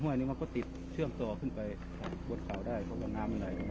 อันนี้มันก็ติดเชื่อมต่อขึ้นไปบนเขาได้เพราะว่าน้ำมันไหล